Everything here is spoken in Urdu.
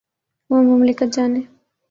وہ مملکت جانے۔